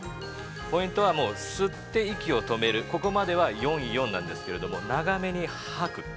ポイントは吸って息をとめるここまでは４４なんですけれども、長めに吐く。